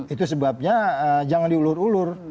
itu sebabnya jangan diulur ulur